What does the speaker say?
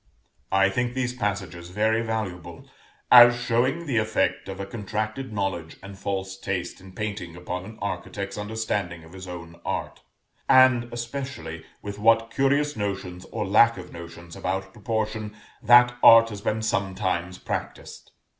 I think these passages very valuable, as showing the effect of a contracted knowledge and false taste in painting upon an architect's understanding of his own art; and especially with what curious notions, or lack of notions, about proportion, that art has been sometimes practised.